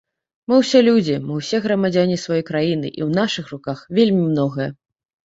Мы ўсе людзі, мы ўсе грамадзяне сваёй краіны, і ў нашых руках вельмі многае.